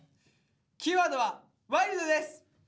キーワードは「ワイルド」です。